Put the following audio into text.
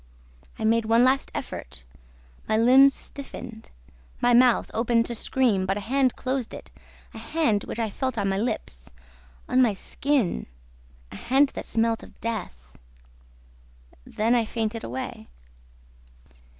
I made one last effort; my limbs stiffened, my mouth opened to scream, but a hand closed it, a hand which I felt on my lips, on my skin ... a hand that smelt of death. Then I fainted away.